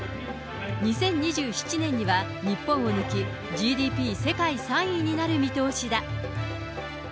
２０２７年には日本を抜き、ＧＤＰ世界３位になる見通しだ。